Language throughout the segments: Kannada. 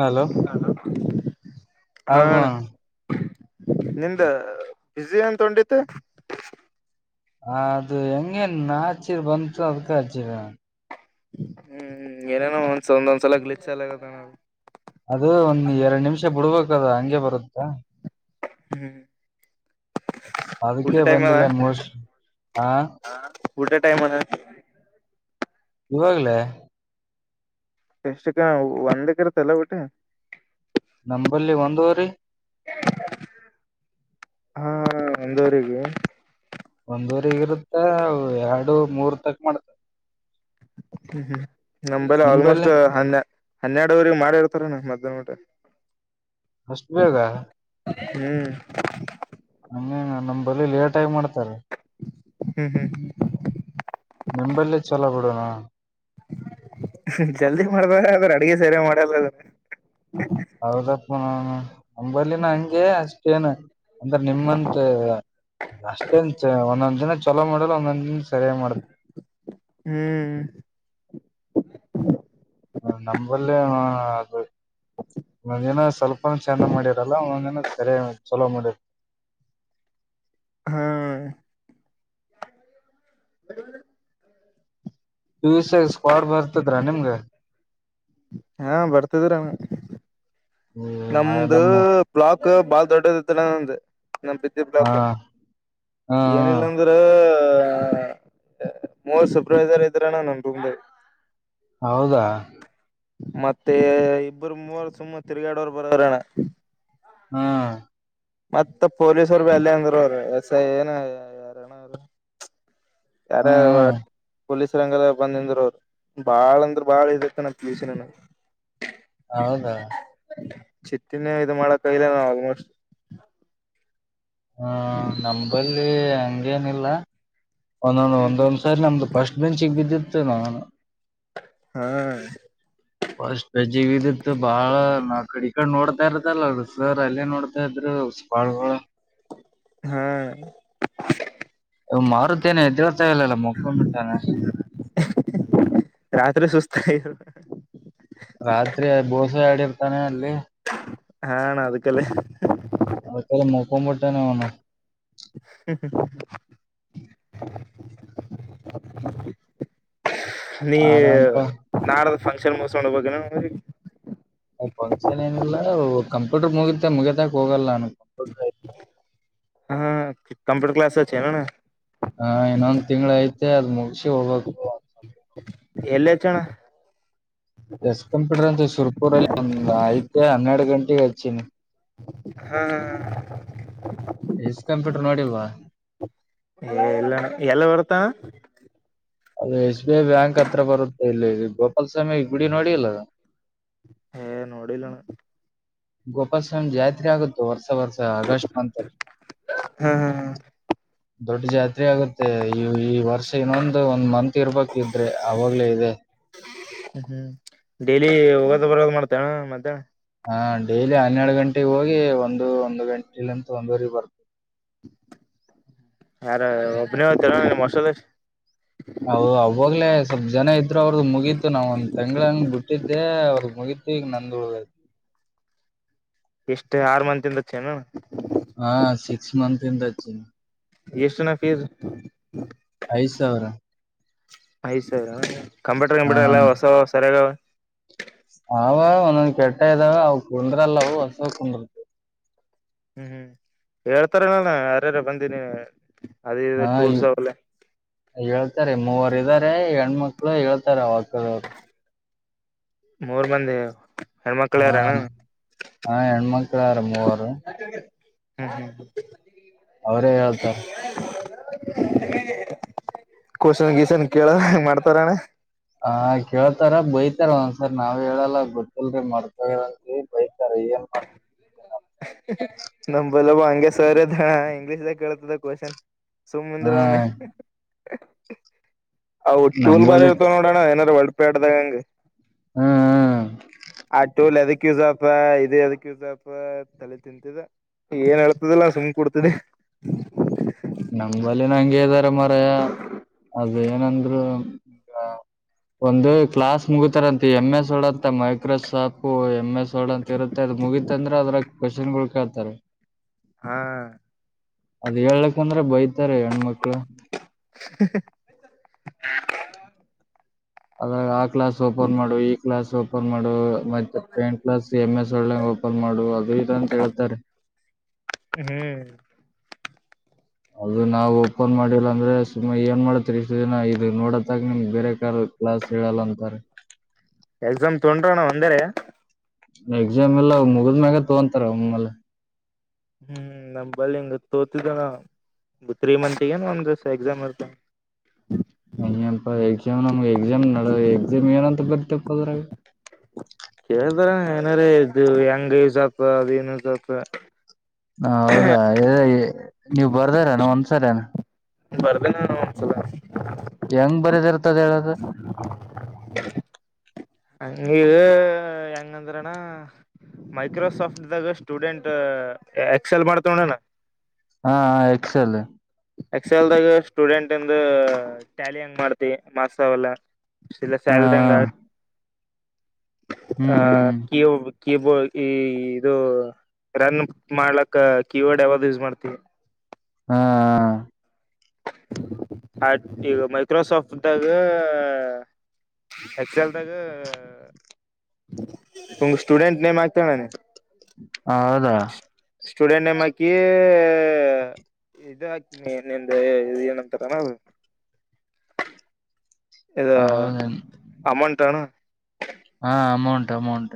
ಹಲೋ ಹಾ ಅಬ [inaudible] ನಿಂದ ಬ್ಯಸ ಏನ್ ತೊಂಡತಿ ಹ ಅದು ಹೆಂಗೆನ್ ನಾಚಿರ್ ಬಂತು ಅದ್ಕ ಆಜಿರ ಹ್ಮ್್ಮ ಏನೇನೋ ಒಂದ ಒಂದ್ಸಲ ಗ್ಲಿ ಚ ಆಗ ನ [inaudible] ಅದು ಒಂದ್ ಎರಡ್ ನಿಮಿಷ ಬಿಡ್ಬೇಕದ ಹಂಗೆ ಬರುತ್ತಾ ಹ್ಮ್ ಊಟ ಅದಕ್ಕೆೇ ಟೈಮ್ ಅದ ಬಂದಿಲ್ಲನ್ ಮೋಸ್ ಹ ಊಟ ಟೈಮಾನ ಇವಾಗಲ ಎಷ್ಟಕ್ಕ ಒಂದಕರ ತಲ್ಲ ಬಿಟ್ಟ ನಂಬಲ್ಲಿ ಒಂದುವರಿ ಹಾ ಒಂದುವರಿಗೆ ಒಂದುವರಿಗ ಇರುತ್ತೆ ಎರಡು ಮೂರ್ ತಕ್ ಮಾಡ ಹ್ಮ್ ಹ್ಮ್ ನಮೇಲೆ ಆಲ್ಮೋಸ್ಟ್ ಹ ಹನ್ನೆರಡುವರೆ ಮಾಡಿರ್ತಾರ ನ್ ಮತ್ ಇದಟೆ [inaudible] ಅಷ್ಟು ಬೇಗ ಹ್ಮ್. ನಮ್ ಬಲಿ ಲೇಟ್ ಆಗಿ ಮಾಡ್ತ. ಹ್ಮ್ ಹ್ಮ್ ನಿಂಬಲ್ಲ ಚಲೋ ಬಿಡೋಣ. ಜಲ್ದಿ ಮಾಡಬೇಕಾರ ಆದ್ರೆ ಅಡ್ಗೆ ಸೇರೆ ಮಾಡಲ್ಲದ. ಹೌದಪ್ಪ ನಂಬಲ್ಲಿನ ಹಂಗೆ ಅಷ್ಟೇನು. ಅಂದ್ರೆ ನಿಮಂತ ಅಷ್ಟೇನ್ ಒಂದೊಂದ್ ದಿನ ಚಲೋ ಮಾಡಲ್ಲ ಒಂದೊಂದ್ ದಿನಸ. ಹ್ಮ್. ನಂಬಲ್ಲ ಅದು. ಒಂದ್ ದಿನ ಸ್ವಲ್ಪನ ಚಂದ ಮಾಡಿರಲ್ಲ ಒಂದೊಂದ್ ಸರಿಯ ಚಲೋ ಮಾಡಿರ್. [inaudible] ಹಾ. [inaudible] [unintelligible] ಸ್ಕ್ವಾಡ್ ಬರ್ತದ ರ ನಿಮ್ಗೆ. ಹಾ ಬರ್ತಿದರಾನ. ಈ ನಮ್ದ ನಮ್ಮ ಬ್ಲಾಕ್ ಬಾಳ ದೊಡ್ಡದತ್ತ ನ್ದ್ ನಮ್ ಬಿದ್ದಿ ಹ ಬ್ಲಾಕ್. ಹ ಏನಿಲ್ಲಾಂದ್ರ. ಮೋರ್ಟ್ ಸರ್ಪ್ರೈಸರ್ ಇದ್ರಣ ನನ್. [unintelligible] ಹೌದಾ. ಮತ್ತೆ ಇಬ್ಬರು ಮೂವರು ಸುಮ್ಮ ತಿರ್ಗಾಡೋರ್ ಬರೋರೇಣ. ಹಾ. ಮತ್ತ ಪೊಲೀಸ್ ಅವರು ಬಿಲ್ಲ ಅಂದರು ಅವ ಎಸ್ ಐ ಏನ ಯಾರನ ಅವ್ರ. ಯಾರಾರು. ಹ್ಮ್ ಪೊಲೀಸ್ ರಂಗದ ಬಂದಂದರು ಅವರು ಬಾಳ ಅಂದ್ರ ಬಾಳ ಇದತೆ ನ ಪಳಸಿನನ. ಹೌದಾ. ಚಿಟ್ಟಿನೇ ಇ ಮಾಡಕ ಇಲ್ಲ ನಾ ಆಲ್ಮೋಸ್ಟ್. ಹ ನಂಬಲ್ಲಿ ಹಂಗೇನಿಲ್ಲ. ಒಂದೊ ಒಂದೊಂದ್ ಸಾರಿ ನಮ್ದು ಫಸ್ಟ್ ಬೆಂಚಿಗೆ ಬಿದ್ದಿತ್ತುನು. ಹ್ಮ್. ಷ್ಟಜ್ಜೀವಿದತ್ ಬಾಳ ನಾಕಡಿ. ಈಡೆ ನೋಡ್ತಾ ಇರದಲ್ಲಸರ್ ಅಲ್ಲೇ ನೋಡ್ತಾ ಇದ್ರುಪಾಳ್. ಹಾ. ಮಾರುತೇನೆ. ಈಲ್ಲಲ್ಲ ಮುಕ ಬಿಟ್ಟಾನೆ. ರಾತ್ರಿ ಸುಸ್ತ ರಾತ್ರಿ ಬೋಸೆ ಆಡಿರ್ತಾನೆ ಅಲ್ಲಿ. ಆ ಅಣ್ಣ ಅದಕಲ್ಲ. ಕಂಬಿಟ್ಟಾನ ಅವನು. [unintelligible] ನೀ ಆರಾಮಪ್ಪ ನಾಡದ ಫಂಕ್ಷನ್ ಮುಸಕೊಂಡ ಬಗೆನು ಊರಿಗೆ. ಫಂಕ್ಷನ್ ಏನಿಲ್ಲ ಕಂಪ್ಯೂಟರ್ ಮುಗತೆ ಮುಗತಕ್ ಹೋಗಲ್ಲ ನಾನ ಕಂಪ್ಯೂಟರ್ ಐತೆ. ಹಾ ಕಂಪ್ಯೂಟರ್ ಕ್ಲಾಸ ಹಚಿನನ್ನ. ಹಾ ಇನ್ನೊಂದ್ ತಿಂಗ್ಳ ಐತೆ ಅದ್ ಮುಗಸಿ ಹೋಗ್ಬೇಕು. ಎಲ್ಲ ಚಣ. ಎಸ್ ಕಂಪ್ಯೂಟರ್ ಅಂತ ಶುರ್ಪುರಲ್ಲಿ ಒಂದ್ ಐತೆ ಹನ್ನೆರಡು ಗಂಟೆಗೆ ಹಚ್ಚಿನಿ. ಹಾ. ಎಸ್ ಕಂಪ್ಯೂಟರ್ ನೋಡಿಲ್ವಾ. ಇಲ್ಲಣ್ಣ ಎಲ್ ಬರುತ್ತಾನ. ಅದು ಎಸ್ ಬಿ ಐ ಬ್ಯಾಂಕ್ ಹತ್ರ ಬರುತ್ತೆ ಇಲ್ಲಿ ಗೋಪಾಲಸ್ವಾಮಿ ಈ ಗುಡಿ ನೋಡಿಲ್ಲ. ಏ ನೋಡಿಲಣ. ಗೋಪಾಲಸ್ವಾಮಿ ಜಾತ್ರೆ ಆಗುತ್ತ ವರ್ಷ. ಆಗಸ್ಟ್ ಮಂತಲ್ ಹಾ ಹಾ ದೊಡ್ಡ ಜತಿ. ಸರಿ ಆಗುತ್ತೆ ಈ ಈ ವರ್ಷ ಇನ್ನೊಂದು ಒಂದ್ ಮಂತ್ ಇರ್ಬೇಕಿದ್ರೆ ಆವಗ್ಲೇ ಇದೆ. [inaudible] ಹ್ಮ ಹ್ಮ್ ಡೆೇಲಿ ಮದುವೆಗಳಲ್ಲಿ ಮಾಡ್ತೀಯಾ ಮತ್ತೆ ಹಾ ಡೈಲಿ ಹನ್ನೆರಡು ಗಂಟೆಗೆ ಹೋಗಿ ಒಂದು ಒಂದು ಗಂಟೆಲಂತ ಒಂದುವರೆ ಬರ್ತವಿ [inaudible] ಯಾರ ಒಬ್ಬನೇ ಓಯ್ತಿನೋ ನಿಮ್ಮ ಹ ಅವಾಗ್ಲೇ ಸ್ವಲ್ಪ್ ಜನ ಇದ್ ಅವ್ರ ಮುಗೀತು ನಾವ್ ಒಂದ್ ತಂಗ್ಳ ಹಂಗ್ ಬಿಟ್ಟಿದ್ದೆ ಅವ್ರಗ್ ಮುಗೀತ ಈಗ್ ನಂದ [inaudible] ಎಷ್ಟು ಆರು ಮಂತಿಂದ ಹಚೇನು ಹಾ ಸಿಕ್ಸ್ ಮಂತ್ ಇಂದ ಹಚೆನ್ ಎಷ್ಟುನ ಫಿಜ್ ಐದ್ ಸಾವಿರ ಐದ್ ಸಾವಿರ ಕಂಪ್ಯೂಟರ್ ಹಾ ಕಂಪ್ಯೂಟರ್ ಎಲ್ಲ ಹೊಸ ಸರಿಯಾಗವೆ ಅವ ಒಂದೊಂದ ಕೆಟ್ಟ ಇದಾವ ಅವ ಕುಂದ್ರಲ್ಲವು ಹೊಸ ಕುಂದ್ರತ ಹ್ಮ್ ಹ್ಮ್ ಹೇಳ್ತಾರಣ್ಣ ಯಾರ್ಯಾರ ಬಂದೀನಿ ಅದೆ ಟೂಲ್ಸ್ [unintelligible] ಇತಾರೆ ಮೂವರು ಇದ್ದಾರೆ ಹೆಣ್ಮಕ್ಳು ಹೇಳ್ತಾರೆ ಅವಕ್ಕದವರು ಮೂರ್ ಮಂದಿ ಹೆಣ್ಮಕ್ಳ ಯಾರಣ್ಣ ಎರಡ್ ಮೂರು ಹ್ಮ್ ಹ್ಮ್ ಹ ಅವರೇ ಹೇಳ್ತಾರ [inaudible] ಕೋಷನ್ ಗೀಸನ್ ಕೇಳದ್ ಮಾಡ್ತಾರಣ್ಣ ಹ ಕೇಳ್ತಾರ ಬೈತಾರ ಒಂದ್ಸರ್ ನಾವ್ ಹೇಳಲ್ಲ ಗೊತ್ತಿಲ್ರಿ ಮರ್ತೋಯ್ತಾ ಅಂತೀವಿ ಬೈತ [inaudible] ನಮ ಬಲವ ಹಂಗೆ ಸರ್ ಅದ ಇಂಗ್ಲೀಷ್ದಾಗ ಕೇಳತದ ಕ್ವಶನ್ ಸುಮ್ನಿದ್ರೆ ಹಾ [inaudible] ಹವು ಟೂಲ್ ಬಾರಿ ನಂಬಲ್ಲಿ ಇರ್ತವ ನೋಡೋಣ ಏನಾರ ಒಳಪೆ ಆಡ್ದಾಗಂಗಗೆ ಹ್ಮ್ ಹ್ಮ್ ಆ ಟುಲ್ ಅದಕ್ ಯೂಸ್ ಆತ ಅದೆ ಯದಕ್ಕ ಸ್ವಲ್ಪ ತಲೆ ತಿಂತಿದ ಏನ್ ಹೇಳ್ತದಲ್ಲ ಸುಮ್ ಕುಡ್ತದೆ ನಮ್ಮಲ್ಲಿನ ಹಂಗೆ ಇದ್ದಾರ ಮರಯ ಅದೇ ಏನಂದ್ರೆ ಒಂದು ಕ್ಲಾಸ್ ಮುಗತಾರಂತ ಎಮ್ ಎಸ್ ಅಂತ ಮೈಕ್ರೋಸಾಫ್ಟ ಎಮ್ ಎಸ್ ಅಂತ ಇರುತ್ತೆ ಅದ್ ಮುಗಿತತ್ ಅಂದ್ರೆ ಅದ್ರ ಕ್ವಶನ್ ಗಳು ಕೇಳ್ತಾರೆ ಹಾ ಅದ್ ಹೇಳ್ಬೇಕಂದ್ರೆ ಬೈತಾರೆ ಹೆಣ್ಮಕ್ಳು [inaudible] [unintelligible] ಅದ್ರಾಗ ಆ ಕ್ಲಾಸ್ ಓಪನ್ ಮಾಡು ಈ ಕ್ಲಾಸ್ ಓಪನ್ ಮಾಡ ಮತ್ತೆ ಪೇಯಿಂಟ್ ಕ್ಲಾಸ್ ಎಮ್ ಎಸ್ ಒಳ್ಳಂಗ ಓಪನ್ ಮಾಡು ಅದು ಇದ್ ಅಂತ ಹೇಳ್ತಾರೆ ಹ್ಮ್ ಅದು ನಾವ್ ಓಪನ್ ಮಾಡಿಲ್ಲ ಅಂದ್ರೆ ಸುಮ್ಮಾ ಏನ್ ಮಾಡತ್ರಿ ಇಷ್ಟ ದಿನ ಇದು ನೋಡತ್ತಾಗ ನಿಮ ಬೇರೆ ಕಾರ್ ಕ್ಲಾಸ್ ಹೇಳಲ್ಲ ಅಂತವ್ರೆ ಎಕ್ಸಾಮ್ ತೊಂಡ್ರಣ ಒಂದೇರೆ ಎಕ್ಸಾಮ್ ಎಲ್ಲ ಮುಗದ್ ಮ್ಯಾಗ ತಗಂತಾರ ಒಮ್ಮಲೆ. ಹ್ಮ್ ನಮ ಬಲ್ಲಿ ಹಿಂಗ ತೋತಿದ್ದಾನ. ತ್ರೀ ಮಂತ್ ಗ ಏನು ಒಂದ್ ಎಕ್ಸಾಮ್ ಇರ್ತ ಹ ಎಕ್ಸಾಮ್ ನಮ್ಗೆ ಎಕ್ಸಾಮ್ ನಡ ಎಕ್ಸಾಮ್ ಏನಂತ ಬರ್ತಪ್ಪ ಅದ್ರಾಗ ಕೇಳ್ತಾರ ಏನಾರ ಇದು ಹೆಂಗ ಯೂಸ್ ಆಗ್ತ ಅದ ಏನ್ ಯೂಸ್ ಆತ ಹ ಹೌದಾ ಎ ನೀವು ಬರ್ದಾರಿನ ಒಂದ್ಸರಿನ ಬರ್ದೇ ನಾನ ಒಂದ್ಸಲ ಹೆಂಗ್ ಬರೆದ ಇರುತ್ತ್ ಹಾಂಗೆ ಹೆಂಗಂದ್ರಣ್ಣ ಮೈಕ್ರೋಸಾಫ್ಟ್ ದಾಗ ಸ್ಟೂಡೆಂಟ್ ಎಕ್ಸೆಲ್ ಮಾಡ್ತವಣಗ. ಹಾ ಹಾ ಎಕ್ಸೆಲ್. ಎಕ್ಸೆಲ್ದಾಗ ಸ್ಟೂಡೆಂಟ್ ಇಂದು ಟ್ಯಾಲಿ ಹೆಂಗ್ ಮಾಡ್ತಿವಿ ಮಾರ್ಕ್ಸ್ ಅವೆಲ್ಲ. ಸಿಲ ಹ ಸ್ಯಾಲ್ರಿಂಗ್ ಹಾಗಿ. ಆ ಹ್ಮ್ ಹ್ಮ್ ಕಿಯವ್ ಕೀಬೋಗಿ ಇದು. ರನ್ ಮಾಡ್ಲಕ್ಕ ಕೀಬೋರ್ಡ್ ಯಾವ್ದ್ ಯೂಸ್ ಮಾಡ್ತಿವಿ. ಹಾ ಹ ಆಗ್ ಇವು ಮೈಕ್ರೋಸಾಫ್ಟ್ ಗ ಹೆಚ್ಎಲ್ದಾಗ ನಿಮ್ ಸ್ಟೂಡೆಂಟ್ ನೇ ಮಾತಣೆ. ಹೌದಾ. ಸ್ಟೂಡೆಂಟ್ ನೇ ಮಯಿಕಿ ಇದು ಹಾಕ್ತೀನಿ ನಿಂದೂ ಏನಂತಾರಣವೂ. ಇಗ ಹೌದೇನ್ ಅಮೌಂಟ್ ತಾಣ ಹಾ ಅಮೌಂಟ್ ಅಮೌಂಟ್.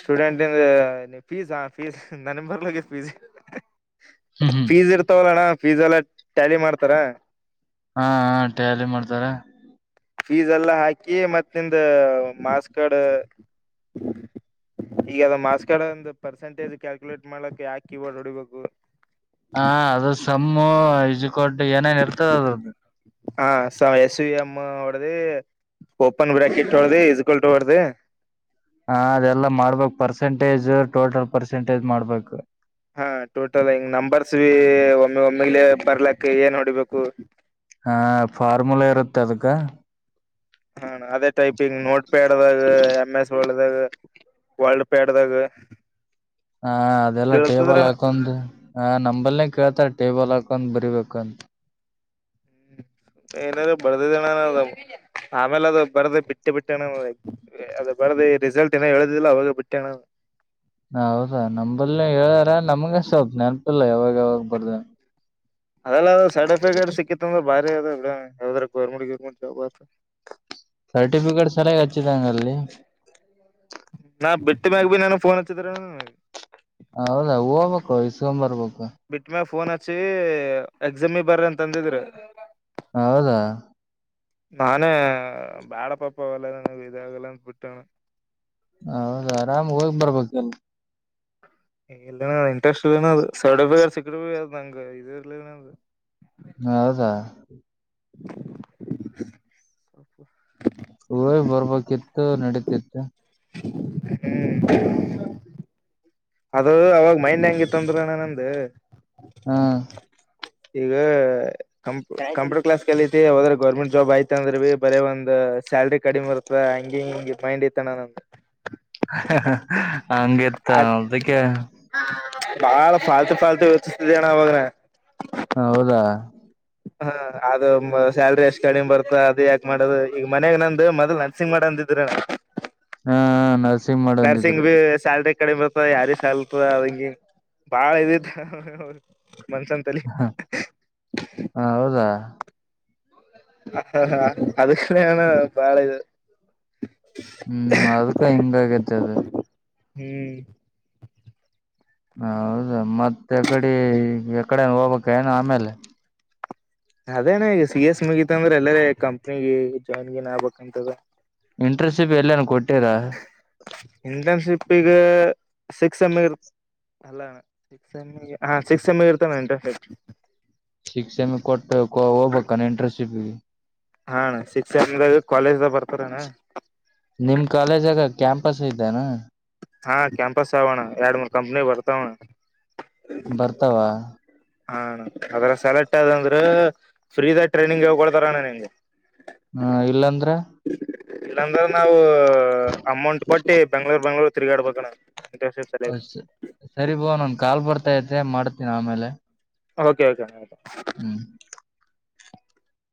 ಸ್ಟೂಡೆಂಟ್ ಇದು ನೀ ಫೀಸ್ ಫೀಸ್ ನನ್ ಮೊದ್ಲು ಗೂ ಫೀಸ್. ಹ್ಮ್ ಹ್ಮ್ ಫೀಸ್ ಇರ್ತವಲ್ಲ ಅಣ್ಣ ಫೀಸ್ ಎಲ್ಲ ಟ್ಯಾಲಿ ಮಾಡ್ತಾರ. ಹಾ ಹ ಟ್ಯಾಲಿ ಮಾಡ್ತಾರೆ. ಫೀಸ್ ಎಲ್ಲಾ ಹಾಕಿ ಮತ್ತ್ ನಿಂದು ಮಾಸ್ಕಡ್. ಈಗ ಅದು ಮಾಸ್ ಕಾರ್ಡ್ ಒಂದು ಪರ್ಸೆಂಟೇಜ್ ಕ್ಯಾಲ್ಕುಲೇಟ್ ಮಾಡಕೆ ಹಾಕಿ ಇವಗ ದುಡಿಬೇಕು. ಹಾ ಅದು ಸಮ್ಮು ಇಸ್ ಈಕ್ವಲ್ ಟು ಏನೇನ್ ಇರ್ತದ ಅದು. ಹ ಸ ಎಸ್ ಯಿ ಎಮ್ ಹೊಡೆದಿ. ಓಪನ್ ಬ್ರ್ಯಾಕೆಟ್ ಹೊಡೆದಿ ಇಜುಕಲ್ಟ್ ಹೊಡೆದಿ. ಹ ಅದೆಲ್ಲಾ ಮಾಡ್ಬೇಕಕ್ ಪರ್ಸೆಂಟೇಜ್ ಟೋಟಲ್ ಪರ್ಸೆಂಟೇಜ್ ಮಾಡ್ಬೇಕು. ಹಾ ಟೋಟಲ್ ಹಾಗಿ ನಂಬರ್ಸಿ ಒಮ್ಮೆ ಒಮ್ಮೆಲೇ ಬರ್ಲಕ್ಕ ಏನ್ ಹೊಡಿಬೇಕು. ಹಾ ಫಾರ್ಮುಲಾ ಇರುತ್ತೆ ಅದಕ್ಕ. ಹಾ ಅದೇ ಟೈಪಿಂಗ್ ನೋಟ್ ಪ್ಯಾಡ್ ಆದಾಗ ಎಮ್ ಎಸ್ ವರ್ಲ್ಡ್ ಇದಾಗ. ವಲ್ಡ್ ಪ್ಯಾಡ್ದಾಗ ಹ ಅದೆಲ್ಲ ಟೇಬಲ್ ಕೇಳ್ತದ್ರಣ ಹಾಕೊಂಡ್ ಹ ನಂಬಲ್ನೆೇ ಕೇಳ್ತಾ. ಟೇಬಲ್ ಹಾಕೊಂಡು ಬರಿಬೇಕುಅಂತು. [inaudible] ಏದೋ ಬದುವಣವಾಗಿ ಆಮೇಲೆ ಅದು ಬರೆದು ಬಿಟ್ಟು ಬಿಟ್ಟಣ್ಣ ಅದು ಬರೆದು ರಿಸಲ್ಟ್ ಏನು ಹೇಳುದಿಲ್ಲ ಅವಾಗ ಬಿಟ್ಟಣ್ಣ. ಹ ಹೌದಾ ನಂಬ್ದಲ್ಲಿ ಓವರ್ ಆಲ್ ನಮ್ಗೆಷ್ವು ನೆನಪಿಲ್ಲ ಯಾವಾಗ ಯಾವಾಗ ಬರಿ ಅದೆಲ್ಲೆಲ್ಲಾ ಸರ್ಟಿಫಿಕೇಟ್ ಸಿಕ್ಕಿತು. ಬರೆ ಎ ಯ ಗವರ್ಮೆಂಟ್ ಗರ್ಮೆಂಟ್ ಜಬ್ ಆತ ಸರ್ಟಿಫಿಕೇಟ್ ಸರಿಯಾಗಿ ಹಚ್ಚಿದೆಂಗಲ್ಲಿ. ಬಿಟ್ಟಿ ಮ್ಯಾಗಿ ನಾನು ಫೋನ್ ಹಚ್ಚಿದ್ರು. ಹೌದಾ ಹೋಗುಬೇಕು ಇಸ್ಕೊ ಬರರ್ಬೇಕು. ಬಿಟ್ಟು ಮೇಲೆ ಫೋನ್ ಹಚ್ಚಿ ಎಕ್ಸಾಮಿ ಬರ್ರಿ ಅಂತ ಅಂದಿದ್ರೂ. ಹೌದಾ ನಾನೇ ಬ್ಯಾಡ ಪಾಪ ಎಲ್ಲ ನ ಇದಾಗಲ್ಲ ಬಿಟ್ಟನೆ. ಹೌದ ಆರಾಮ್ ಹೋಗ್ ಬರಬೇಕು ಎಲ್. ಇಲ್ಲ ಇಂಟ್ರೆಸ್ಟ್ ಇದುನು ಸಡ್ದೆ ಸಿಕ್ಕದುವೇ ಮ್ಯಾಂಗೋ ಇದು ಇರಲಿಲ್ಲ. ಹೌದ [inaudible] ಹೂವೇ ಬರರ್ಬೇಕಿತ್ತು ನಡೀತಿತ್ತು. ಹೇ ಅದು ಅವಾಗ ಮೈನು ಹೆಂಗಿತ್ತುಂದ್ರಣ ನಂದು. ಹಾ ಈಗ ಕಂ ಕಂಪ್ಯೂಟರ್ ಕ್ಲಾಸ್ ಕಲಿತಿ ಹೋದ್ರೆ ಗೌರ್ಮೆಂಟ್ ಜಾಬ್ ಐತು ಅಂದ್ರೆ ಬರೀ ಒಂದ್ ಸ್ಯಾಲ್ರಿ ಕಡಿಮೆ ಇರುತ್ತ ಹಂಗಗೆಗೆ ಮೈಂಡ್ ಐತಣ್ಣ ನ ಹಂಗೆತ ಅದಕ್ಕೆ ಬಾಳ ಫಾಲ್ತು ಫಾಲ್ತು ಯತಿಸತಿದ್ದೇಣ್ಣ ಅವಾಗ್ನಾ ಹ ಹೌದಾ ಹ ಅದು ಸ್ಯಾಲ್ರಿ ಎಷ್ಟ್ ಕಡಿಮೆ ಬರ್ತ ಅದು ಯಾಕಕ್ ಮಾಡದು ಈಗ ಮನ್ಯಾಗ ನಂದ ಮೊದಲು ನರ್ಸಿಂಗ್ ಮಾಡಂದ ಹಾ ನರ್ಸಿಂಗ್ ಮಾಡಂದಿದ್ರು ನರ್ಸಿಂಗ್ ಸ್ಯಾಲರಿ ಕಡೆಮೇ ಬರ್ತಧ ಯಾರ ಸಲ್ತ ಅವಂಗ ಬಾಳ ಇದು ಈತನ ಮನ್ಸಂತಲ್ಲಿ [unintelligible] ಹಾ ಹೌದಾ ಹ ಹಾ ಅದ ಕಣ ಬಾಳ ಇದು ಹ್ಮ್ ಅದ್ಕ್ಕೂ ಹೆಿಂಗಾಗತ ಅದ ಹ್ಮ್ ಹೌದಾ ಮತ್ತ ಎ ಕಡಿ ಎಕಡೆ ಹೋಗ್ಬಕ್ ಏನ ಆಮೇಲೆ ಅದೇನ ಈಗ ಸಿ ಎಸ್ ಮುಗಿತ ಅಂದ್ರೆ ಎಲ್ಲಾರ ಕಂಪ್ನಿ ಜಾಯಿನ್ ಗಿನ್ ಆಗ್ಬೇಕಂತದ ಇಂಟ್ರನ್ಶಿಪ್ ಎಲ್ಲನ್ ಕೊಟ್ಟಿರಾ ಇಂಟರ್ನ್ಶಿಪ್ಗ ಸಿಕ್ಸ್ ಎಮ್ರ್ ಅಲ್ಲಣ ಸಿಸ್ ಎಮ ಹ ಸಿಕ್ಸ್ ಎಮ್ ಎ ಇರ್ತಾನೆ ಇಂಟರ್ನ್ಶಿಪ್ ಶಕ್ಸ್ ಎಮಿ ಕೊಟ್ಟ ಹೋಗಬಬೇಕಾನ ಇಂಟರ್ನ್ಶಿಪ್ ಹ ಸಿಕ್ಸ್ತ್ ಸೆಂ ಇದಗ ಕಾಲೇಜ್ದ ಬರ್ತಾರನ ನಿಮ್ ಕಾಲೇಜ್ಗ ಕ್ಯಾಂಪಸ್ ಇದ್ದಾನ ಹಾ ಕ್ಯಾಂಪಸ್ ಆವಣ್ಣ ಎರಡ್ ಮೂರ್ ಕಂಪ್ನಿ ಬರ್ತಾವಣ್ಣ ಬರ್ತಾವ ಹಾ ಅದ್ರ ಸೆಲೆಕ್ಟ್ ಅ ಅಂದ್ರೆ ಫ್ರೀದಾಗ ಟ್ರೈನಿಂಗ್ ಹೇಕೊಳ್ತಾರಣ್ಣ ನಿಮ್ಗೆ ಹಾ ಇಲ್ಲಾಂದ್ರೆ ಇಲ್ಲಾಂದ್ರ ನಾವು ಅಮೌಂಟ್ ಕೊಟ್ಟಿ ಬೆಂಗ್ಳೂರ್ ಬೆಂಗ್ಳೂರ್ ತಿರ್ಗಾಡ್ಬೇಕಣ ಸರಿ ಬ ನನ್ ಕಾಲ್ ಬರ್ತಾೈತೆ ಮಾಡ್ತೀಿನಿ ಆಮೇಲೆ ಓಕೆ ಓಕೆ ಹ್ಮ್